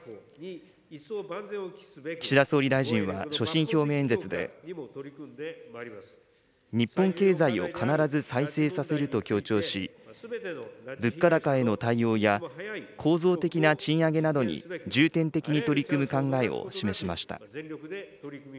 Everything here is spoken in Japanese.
岸田総理大臣は所信表明演説で、日本経済を必ず再生させると強調し、物価高への対応や、構造的な賃上げなどに重点的に取り組む考えを示しました。